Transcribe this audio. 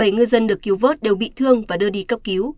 bảy ngư dân được cứu vớt đều bị thương và đưa đi cấp cứu